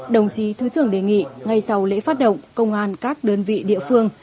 đồng chí thứ trưởng đề nghị ngay sau lễ phát động công an các đơn vị địa phương